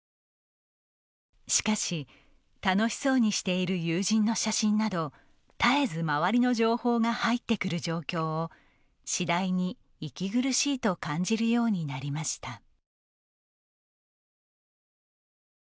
しかし、楽しそうにしている友人の写真など絶えず周りの情報が入ってくる状況を次第に息苦しいと感じるようになりました。